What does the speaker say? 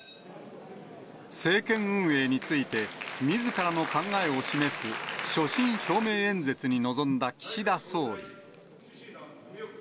政権運営について、みずからの考えを示す、所信表明演説に臨んだ岸田総理。